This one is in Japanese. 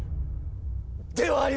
ではありません！